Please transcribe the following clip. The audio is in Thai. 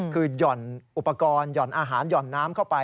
คือหย่อนอุปกรณ์หย่อนอาหารหย่อนน้ำเข้าไป